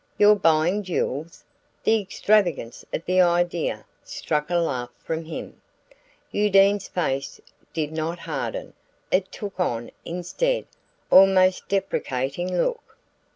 You're buying jewels?" The extravagance of the idea struck a laugh from him. Undine's face did not harden: it took on, instead, almost deprecating look.